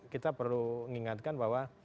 kita perlu mengingatkan bahwa